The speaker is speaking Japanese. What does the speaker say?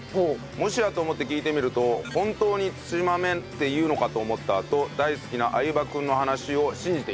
もしやと思って聞いてみると「本当に土豆って言うのかと思った」と大好きな相葉君の話を信じていましたと。